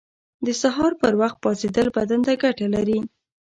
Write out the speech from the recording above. • د سهار پر وخت پاڅېدل بدن ته ګټه لري.